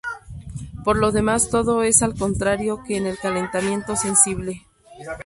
Por lo demás todo es al contrario que en el calentamiento sensible.